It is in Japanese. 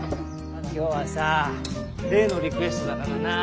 今日はされいのリクエストだからな。